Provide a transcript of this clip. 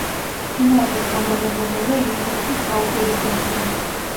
ფინალში თანამემამულე „იუვენტუსს“ დაუპირისპირდნენ.